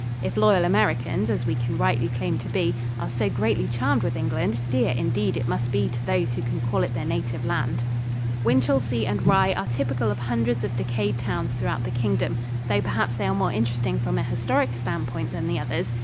If loyal Americans, as we can rightly claim to be, are so greatly charmed with England, dear indeed it must be to those who can call it their native land. Winchelsea and Rye are typical of hundreds of decayed towns throughout the Kingdom, though perhaps they are more interesting from an historic standpoint than the others.